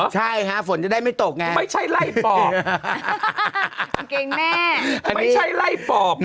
ใช่ฮะฝนจะได้ไม่ตกไงไม่ใช่ไล่ปอบกางเกงแม่ไม่ใช่ไล่ปอบนะ